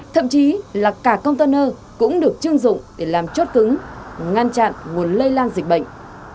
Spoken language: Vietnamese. thậm chí là cả container cũng được chưng dụng để làm chốt cứng ngăn chặn nguồn lây lan dịch bệnh